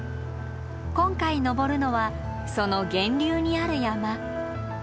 今回登るのはその源流にある山。